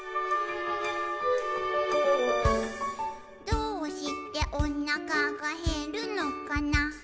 「どうしておなかがへるのかな」